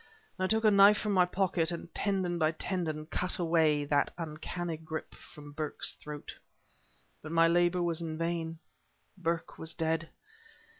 I took a knife from my pocket, and, tendon by tendon, cut away that uncanny grip from Burke's throat... But my labor was in vain. Burke was dead!